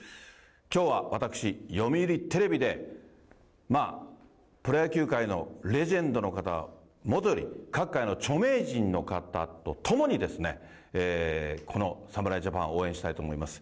きょうは私、読売テレビで、まあ、プロ野球界のレジェンドの方、もとより各界の著名人の方と共に、この侍ジャパンを応援したいと思います。